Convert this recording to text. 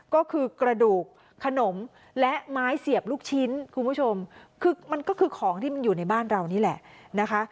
ก็คือกระดูกขนมและไม้เสียบลูกชิ้นคุณผู้ชมคือมันก็คือของที่มันอยู่ในบ้านเรานี่แหละนะคะ